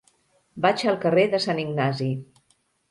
Vaig al carrer de Sant Ignasi.